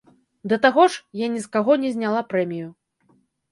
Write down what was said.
Да таго ж, я ні з каго не зняла прэмію.